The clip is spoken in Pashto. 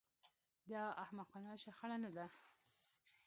دا احمقانه شخړه نه ده